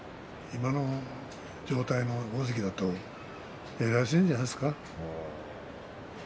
今の状態の大関だとやりやすいんじゃないですか。